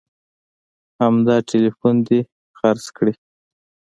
همدا ټلیفون دې خرڅ کړي